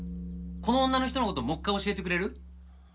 この女の人の事もう一回教えてくれる？